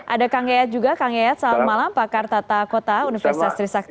ada kang yayat juga kang yayat selamat malam pakar tata kota universitas trisakti